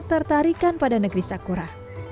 yang tertarikan pada negeri sakura